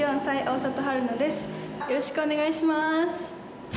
よろしくお願いします。